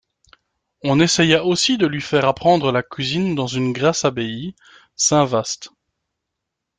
On essaya aussi de lui faire apprendre la cuisine dans une grasse abbaye, Saint-Vast.